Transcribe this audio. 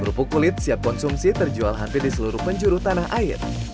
kerupuk kulit siap konsumsi terjual hampir di seluruh penjuru tanah air